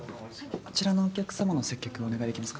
あちらのお客様の接客お願いできますか？